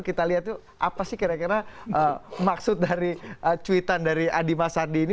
kita lihat tuh apa sih kira kira maksud dari tweetan dari adi mas andi ini